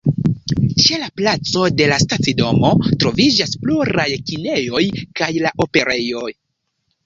Ĉe la placo de la stacidomo troviĝas pluraj kinejoj kaj la Operejo.